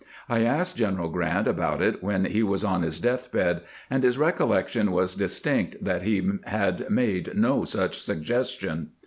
I asked General Grant about it when he was on his death bed, and his recollection was distinct that he had made no such suggestion.